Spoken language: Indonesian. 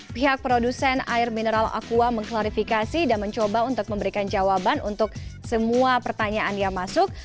pihak produsen air mineral aqua mengklarifikasi dan mencoba untuk memberikan jawaban untuk semua pertanyaan yang masuk